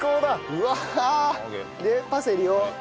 うわあ！でパセリを。